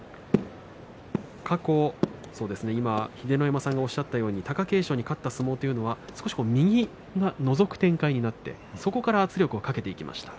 過去、秀ノ山さんがおっしゃったように貴景勝に勝った相撲というのは少し右がのぞく展開になってそこから圧力をかけていきました。